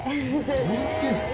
どうなってるんですか？